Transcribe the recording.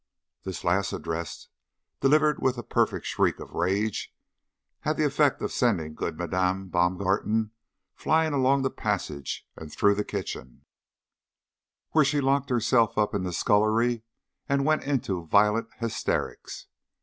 This last address, delivered with a perfect shriek of rage, had the effect of sending good Madame Baumgarten flying along the passage and through the kitchen, where she locked herself up in the scullery and went into violent hysterics.